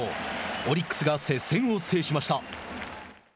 オリックスが接戦を制しました。